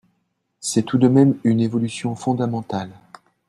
C’est tout de même une évolution fondamentale.